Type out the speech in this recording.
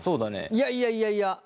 いやいやいやいや。